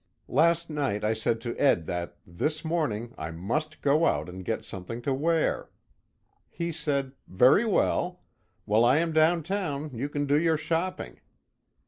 Last night I said to Ed that this morning I must go out and get something to wear. He said, "Very well. While I am down town you can do your shopping."